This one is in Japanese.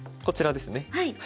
こちらですね。